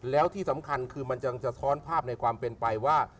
แล้วที่สำคัญคือมันจะสะท้อนภาพในความเป็นไปว่า